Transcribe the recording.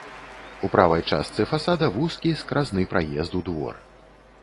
У правай частцы фасада вузкі скразны праезд у двор.